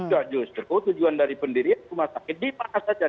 jadi justru tujuan dari pendirian rumah sakit di mana saja